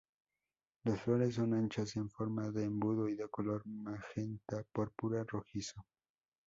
Las flores son anchas en forma de embudo y de color magenta púrpura rojizo.